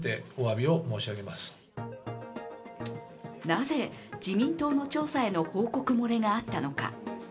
なぜ、自民党の調査への報告漏れがあったのか。